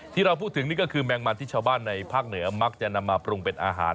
ที่เราพูดถึงนี่ก็คือแมงมันที่ชาวบ้านในภาคเหนือมักจะนำมาปรุงเป็นอาหาร